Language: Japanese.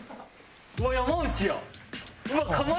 うわっ山内や！